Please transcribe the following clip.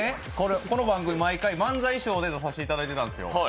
この番組漫才衣装で出させていただいてたんですよ。